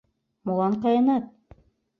— Молан каенат?